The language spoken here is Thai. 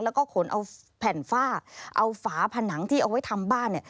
แล้วก็ขนเอาแผ่นฝ้าเอาฝาผนังที่เอาไว้ทำบ้านเนี่ย